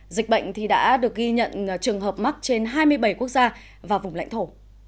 dịch bệnh đã được ghi nhận trường hợp mắc trên hai mươi bảy quốc gia và vùng lãnh thổ